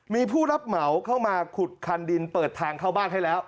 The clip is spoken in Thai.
มีผู้รับเหมาเข้ามาขุดคันดินเปิดทางเข้าบ้านให้แล้ว